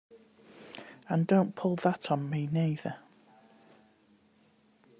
And don't pull that on me neither!